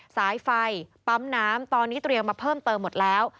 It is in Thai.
สายไฟปั๊มน้ำตอนนี้เตรียมมาเพิ่มเติมหมดแล้ว